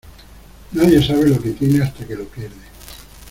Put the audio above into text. Nadie sabe lo que tiene hasta que lo pierde.